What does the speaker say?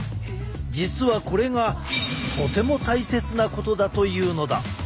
実はこれがとても大切なことだというのだ。